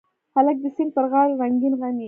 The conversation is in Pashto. هلک د سیند پر غاړه رنګین غمي